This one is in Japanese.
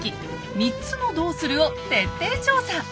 ３つの「どうする⁉」を徹底調査。